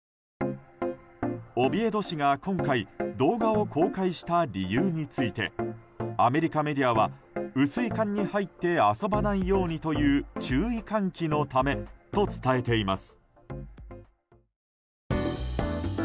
オビエド市が今回動画を公開した理由についてアメリカメディアは雨水管に入って遊ばないようにという注意喚起のためと伝えています。